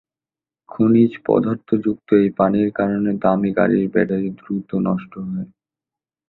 খনিজ পদার্থযুক্ত এই পানির কারণে দামি গাড়ির ব্যাটারি দ্রুত নষ্ট হয়।